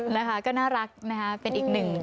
นะคะก็น่ารักนะคะเป็นอีกหนึ่ง